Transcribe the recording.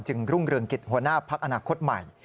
รุ่งเรืองกิจหัวหน้าพักอนาคตใหม่